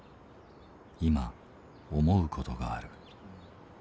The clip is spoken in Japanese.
今思う事がある。